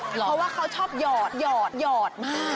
เพราะว่าเขาชอบหยอดหยอดหยอดมาก